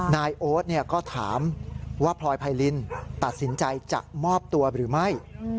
นายโอ๊ตก็ถามว่าพลอยไพรินตัดสินใจจะมอบตัวหรือไม่